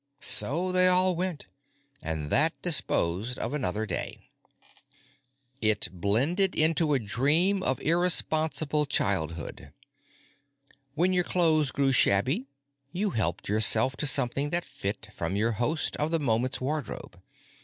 So they all went, and that disposed of another day. It blended into a dream of irresponsible childhood. When your clothes grew shabby you helped yourself to something that fit from your host of the moment's wardrobe.